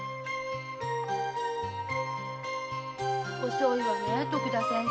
遅いわねえ徳田先生。